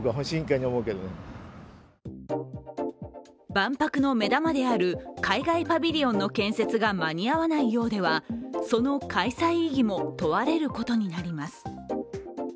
万博の目玉である海外パビリオンの建設が間に合わないようではその開催意義も問われることになります。